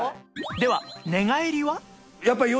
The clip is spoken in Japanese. では寝返りは？